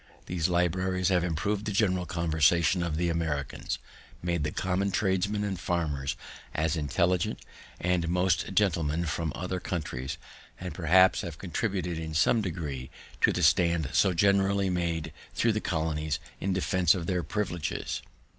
These libraries have improved the general conversation of the Americans, made the common tradesmen and farmers as intelligent as most gentlemen from other countries, and perhaps have contributed in some degree to the stand so generally made throughout the colonies in defense of their privileges.